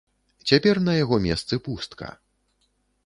Цяпер на яго месцы пустка.